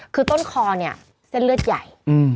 คือต้นคอเนี่ยเส้นเลือดใหญ่